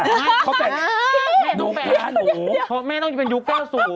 หนูแพ้ถ้าหนูเพราะแม่ต้องเป็นยุค๙๐